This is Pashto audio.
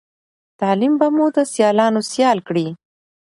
تعليم به مو د سیالانو سيال کړی